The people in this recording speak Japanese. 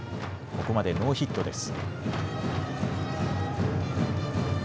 ここまでノーヒットです。